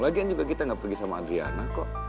lagian juga kita nggak pergi sama adriana kok